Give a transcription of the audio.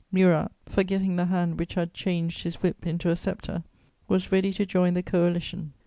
Murat, forgetting the hand which had changed his whip into a sceptre, was ready to join the Coalition.